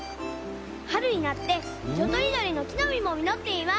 はるになっていろとりどりのきのみもみのっています！